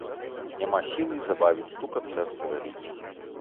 Няма сілы забавіць стукат сэрца вялікі.